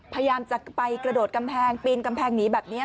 พยายามจะไปกระโดดกำแพงปีนกำแพงหนีแบบนี้